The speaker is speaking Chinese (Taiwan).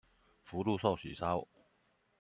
福祿壽喜燒